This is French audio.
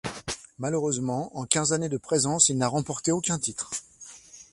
Malheureusement en quinze année de présence il n'a remporté aucun titre.